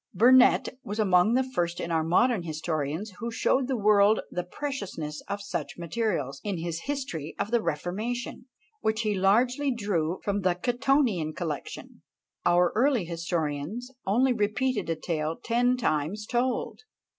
Burnet was among the first of our modern historians who showed the world the preciousness of such materials, in his "History of the Reformation," which he largely drew from the Cottonian collection. Our early historians only repeated a tale ten times told.